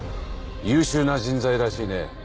優秀な人材らしいね。